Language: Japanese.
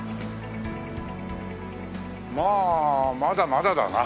まあまだまだだな。